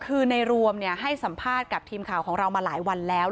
คือในรวมให้สัมภาษณ์กับทีมข่าวของเรามาหลายวันแล้ว